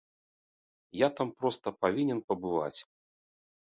Я там проста павінен пабываць.